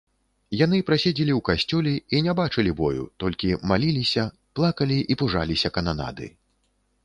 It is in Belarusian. Яны праседзелі ў касцёле і не бачылі бою, толькі маліліся, плакалі і пужаліся кананады.